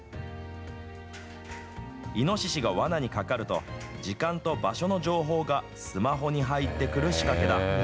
イノシシが罠にかかると、時間と場所の情報がスマホに入ってくる仕掛けだ。